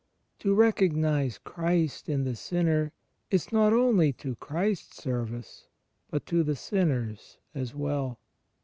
To recognize Christ in the sin ner is not only to Christ's service, but to the sinner's as well.